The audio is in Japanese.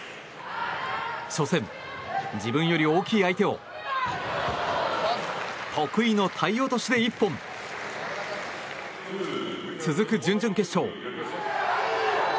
初戦、自分より大きい相手を得意の体落としで一本。続く準々決勝。